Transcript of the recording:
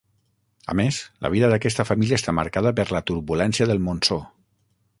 A més, la vida d'aquesta família està marcada per la turbulència del monsó.